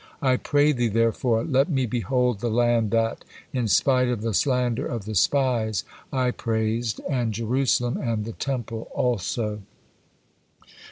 I pray Thee, therefore, let me behold the land that, in spite of the slander of the spies, I praised, and Jerusalem and the Temple also.